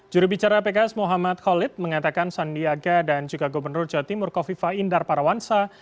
jurubicara pks muhammad khalid mengatakan sandiaga dan juga gubernur jawa timur kofifa indar parawansa